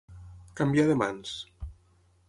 Canviar de mans.